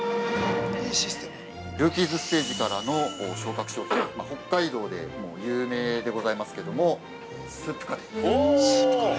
◆ルーキーズステージからの昇格商品は北海道でも有名でございますけどもスープカレー。